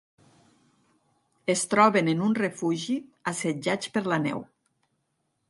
Es troben en un refugi assetjats per la neu.